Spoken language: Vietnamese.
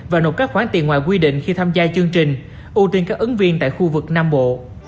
và nộp các khoản tiền ngoài quy định khi tham gia chương trình ưu tiên các ứng viên tại khu vực nam bộ